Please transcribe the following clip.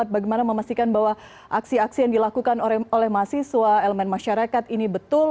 bagaimana memastikan bahwa aksi aksi yang dilakukan oleh mahasiswa elemen masyarakat ini betul